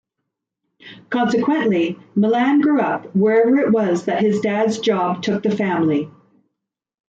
Consequently, Milan grew up wherever it was that his dad's job took the family.